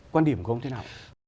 quan điểm của ông thế nào